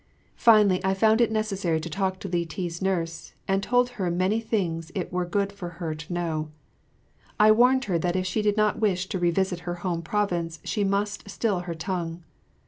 Finally I found it necessary to talk to Li ti's nurse, and I told her many things it were good for her to know. I warned her that if she did not wish to revisit her home province she must still her tongue.